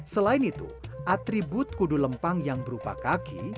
selain itu atribut kudu lempang yang berupa kaki